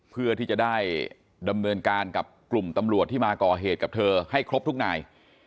เพื่อที่จะได้ดำเนินการกับกลุ่มตำรวจที่มาก่อเหตุกับเธอให้ครบทุกนาย